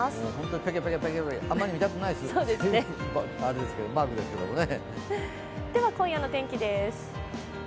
ペケペケ、あまり見たくないマークですけどね。